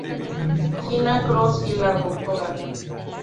Gina Cross y la Dra.